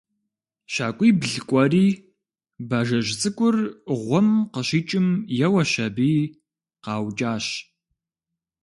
ЩакӀуибл кӀуэри, бажэжь цӀыкӀур гъуэм къыщикӀым еуэщ аби, къаукӀащ.